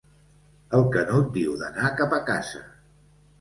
El Canut diu d'anar cap a casa.